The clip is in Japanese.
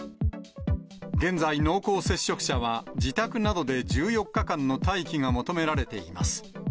現在、濃厚接触者は自宅などで１４日間の待機が求められています。